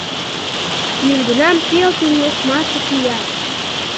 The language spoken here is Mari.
Южгунам пел кеҥеж марте кия.